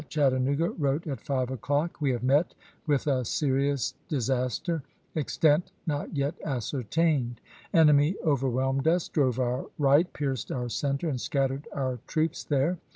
Chattanooga, wrote at five o'clock :" We have met with a serious disaster ; extent not yet ascertained. Enemy overwhelmed us, drove our right, pierced our center, and scattered our troops there.